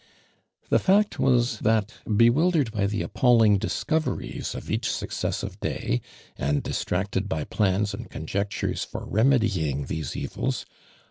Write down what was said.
The fact was that, bewildered by tho ap palling discoveries of each successive da/, and distracted by phuis and conjectures for remedying these evils